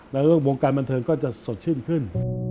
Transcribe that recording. แล้ววงการบันเทิงก็จะสดชื่นขึ้น